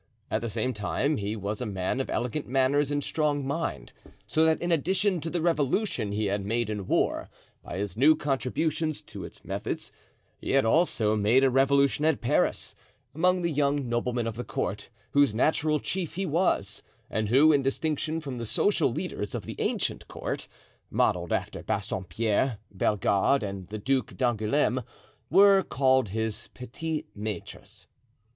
At the same time he was a man of elegant manners and strong mind, so that in addition to the revolution he had made in war, by his new contributions to its methods, he had also made a revolution at Paris, among the young noblemen of the court, whose natural chief he was and who, in distinction from the social leaders of the ancient court, modeled after Bassompierre, Bellegarde and the Duke d'Angouleme, were called the petits maitres.